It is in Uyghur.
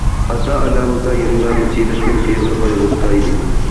ئاتا- ئانا بولسا يەنىلا مۇسىبەتنىڭ ئېغىر قايغۇسىدا ئىدى.